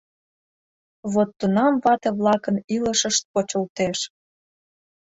Вот тунам вате-влакын илышышт почылтеш.